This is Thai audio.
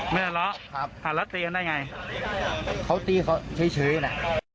ไม่ทะเลาะครับทะเลาะตีกันได้ไงเขาตีเขาเฉยน่ะ